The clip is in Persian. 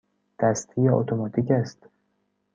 دستی یا اتوماتیک است؟